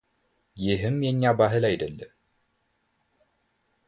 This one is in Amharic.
ይህም የእኛ ባህል አይደለም፡፡